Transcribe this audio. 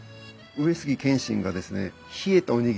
上杉謙信がですね